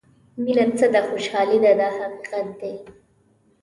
مینه څه ده خوشالۍ ده دا حقیقت دی.